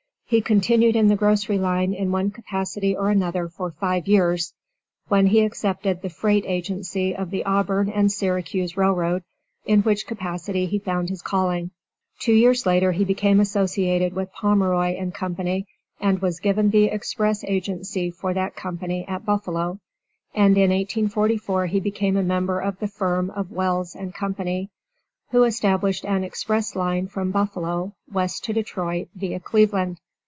He continued in the grocery line in one capacity or another for five years, when he accepted the freight agency of the Auburn and Syracuse Railroad, in which capacity he had found his calling. Two years later he became associated with Pomeroy & Co., and was given the express agency for that company at Buffalo, and in 1844 he became a member of the firm of Wells & Co., who established an express line from Buffalo, west to Detroit, via Cleveland.